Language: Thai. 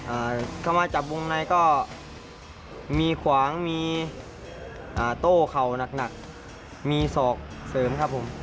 เอ่อเข้ามาจับวงในก็มีขวางมีโต้เขานักมีศอกเสริมครับผม